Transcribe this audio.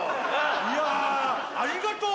いやありがとう！